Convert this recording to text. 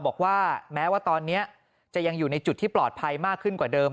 บอกว่าแม้ว่าตอนนี้จะยังอยู่ในจุดที่ปลอดภัยมากขึ้นกว่าเดิม